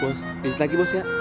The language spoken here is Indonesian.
bos pindah lagi bos ya